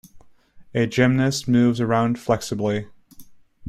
A gymnast moves around flexibly.